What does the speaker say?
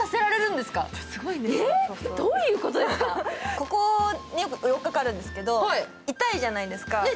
ここに寄っかかるんですけど、痛いじゃないですか。